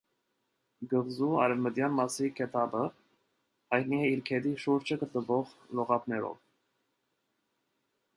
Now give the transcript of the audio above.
Կղզու արևմտյան մասի գետափը հայտնի է իր գետի շուրջը գտնվող լողափներով։